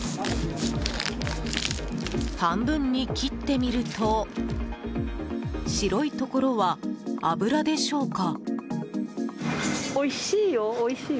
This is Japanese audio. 半分に切ってみると白いところは脂でしょうか。